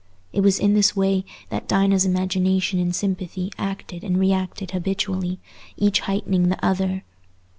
It was in this way that Dinah's imagination and sympathy acted and reacted habitually, each heightening the other.